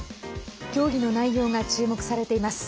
協議の内容が注目されています。